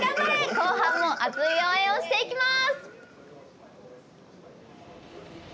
後半も熱い応援をしていきます！